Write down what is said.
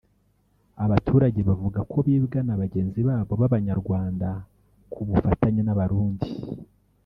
Abaturage bavuga ko bibwa na bagenzi babo b’Abanyarwanda ku bufatanye n’Abarundi